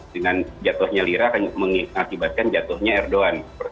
dengan jatuhnya lira akan mengakibatkan jatuhnya erdogan